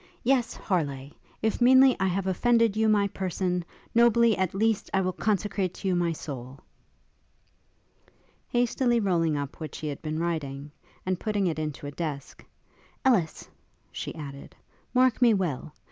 Yes, Harleigh! if meanly I have offered you my person, nobly, at least, I will consecrate to you my soul!' Hastily rolling up what she had been writing, and putting it into a desk, 'Ellis!' she added, 'Mark me well!